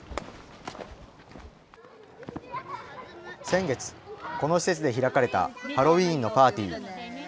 先月、この施設で開かれたハロウィーンのパーティー。